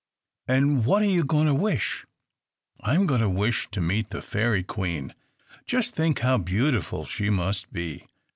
"And what are you going to wish?" "I 'm going to wish to meet the Fairy Queen! Just think how beautiful she must be!